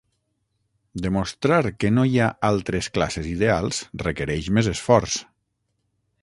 Demostrar que no hi ha "altres" classes ideals requereix més esforç.